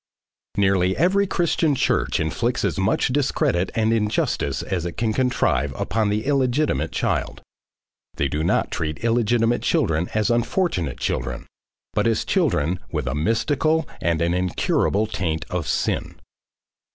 Nearly every Christian church inflicts as much discredit and injustice as it can contrive upon the illegitimate child. They do not treat illegitimate children as unfortunate children, but as children with a mystical and an incurable taint of SIN.